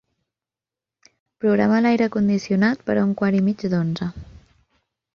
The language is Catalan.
Programa l'aire condicionat per a un quart i mig d'onze.